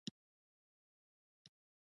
لا دځمکی تناوونه، لاره باسی زلزلوته